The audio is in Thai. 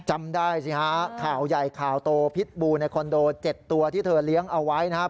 จำได้สิฮะข่าวใหญ่ข่าวโตพิษบูในคอนโด๗ตัวที่เธอเลี้ยงเอาไว้นะครับ